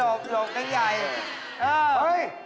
โหหหลบกันยังไง